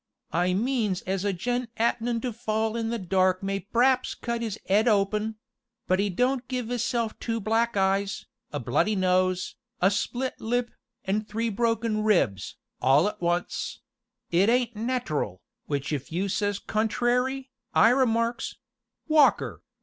"I means as a gent 'appenin' to fall in the dark may p'r'aps cut 'is 'ead open but 'e don't give 'isself two black eyes, a bloody nose, a split lip, an' three broken ribs, all at once it ain't nat'ral, w'ich if you says contrairy, I remarks 'Walker!'